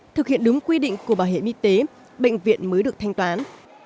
thực hiện đúng quy định của bảo hiểm y tế bệnh viện mới được thanh toán